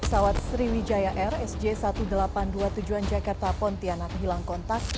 pesawat sriwijaya rsj seribu delapan ratus dua puluh tujuh jakarta pontianak hilang kontak